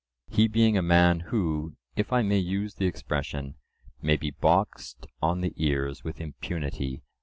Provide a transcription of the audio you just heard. —he being a man who, if I may use the expression, may be boxed on the ears with impunity.